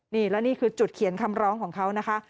นี่แล้วนี่คือจุดเขียนคำร้องของเขานะคะ